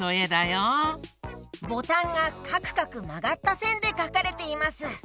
ボタンがかくかくまがったせんでかかれています。